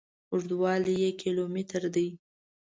اوږدوالي یې کیلو متره دي.